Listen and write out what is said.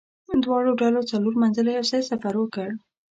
دواړو ډلو څلور منزله یو ځای سفر وکړ.